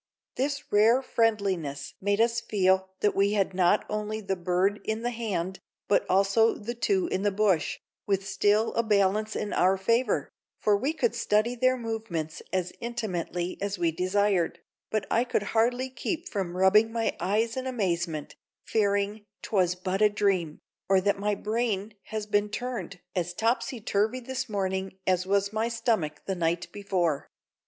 This rare friendliness made us feel that we had not only the bird in the hand, but also the two in the bush, with still a balance in our favor, for we could study their movements as intimately as we desired, but I could hardly keep from rubbing my eyes in amazement, fearing "'twas but a dream," or that my brain has been turned, as topsy turvy this morning as was my stomach the night before.